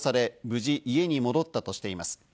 無事、家に戻ったとしています。